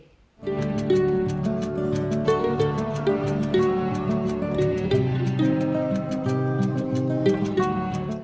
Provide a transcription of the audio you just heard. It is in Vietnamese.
hãy đăng ký kênh để ủng hộ kênh của mình nhé